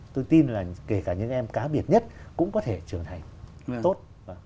tôi tin là kể cả những em cá biệt nhất cũng có thể trở thành tốt